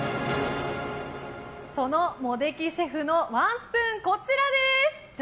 その茂出木シェフのワンスプーン、こちらです！